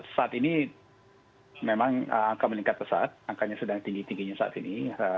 saat ini memang angka meningkat pesat angkanya sedang tinggi tingginya saat ini